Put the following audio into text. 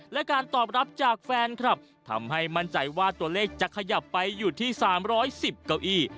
และการตอบรับจากแฟนคลับทำให้มั่นใจว่าตัวเลขจะขยับไปอยู่ที่๓๑๐เก้าอี้